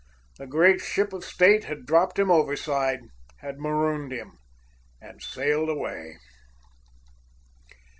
The great Ship of State had dropped him overside, had "marooned" him, and sailed away.